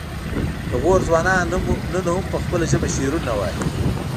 د غور ځوانان نن هم په خپله ژبه شعرونه وايي